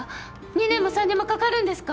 ２年も３年もかかるんですか？